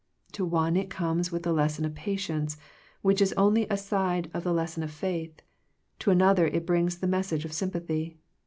To one it comes with the lesson of patience, which is only a side of the lesson of faith; to another it brings the message of sympathy.